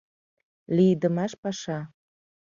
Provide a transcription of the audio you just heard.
Лийдымаш паша...